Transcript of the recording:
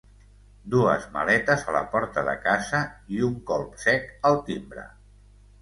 Dues maletes a la porta de casa i un colp sec al timbre.